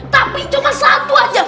tapi cuma satu aja